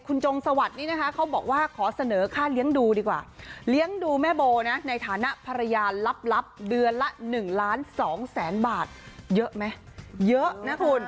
คุณจงสวัสดิ์นี่นะคะเขาบอกว่าขอเสนอค่าเลี้ยงดูดีกว่าเลี้ยงดูแม่โบนะในฐานะภรรยาลับเดือนละ๑ล้าน๒แสนบาทเยอะไหมเยอะนะคุณ